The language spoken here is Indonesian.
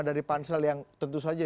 dari pansel yang tentu saja